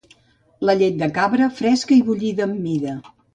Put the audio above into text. La llet de cabra, fresca i bullida amb mida.